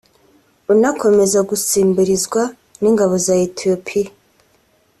unakomeza gusumbirizwa n’ingabo za Ethiopia